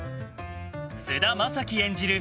菅田将暉演じる